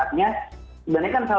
bagi penyelenggaraan seleksi dan rekomen